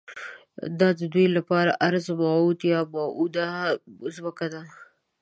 دا ددوی لپاره ارض موعود یا موعوده ځمکه ده.